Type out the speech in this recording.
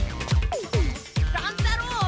乱太郎！？